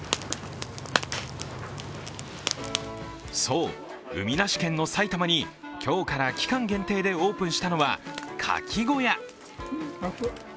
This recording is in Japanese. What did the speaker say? そう、海なし県の埼玉に今日から期間限定でオープンしたのはカキ小屋。